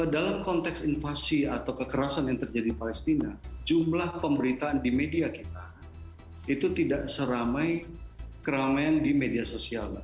dalam konteks invasi atau kekerasan yang terjadi di palestina jumlah pemberitaan di media kita itu tidak seramai keramaian di media sosial